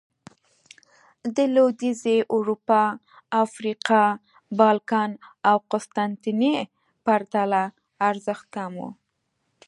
د لوېدیځې اروپا، افریقا، بالکان او قسطنطنیې پرتله ارزښت کم و